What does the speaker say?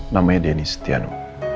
namanya denny setiano